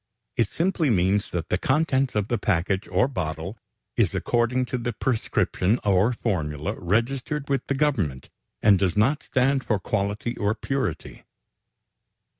It simply means that the contents of the package or bottle is according to the prescription or formula registered with the Government, and does not stand for quality or purity.